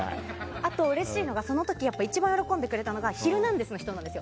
あと、うれしいのがその時一番喜んでくれたのが「ヒルナンデス！」の人なんですよ。